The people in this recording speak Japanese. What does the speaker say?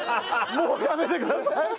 もうやめてください！